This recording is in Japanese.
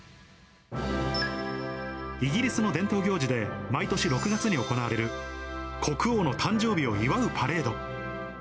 イギリスの伝統行事で、毎年６月に行われる国王の誕生日を祝うパレード。